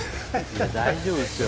大丈夫ですよ。